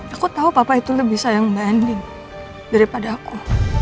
aku tau papa itu lebih sayang mbak ending daripada aku